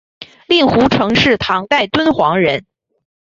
令狐澄是唐代敦煌人。